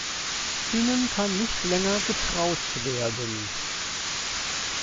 Ihnen kann nicht länger getraut werden.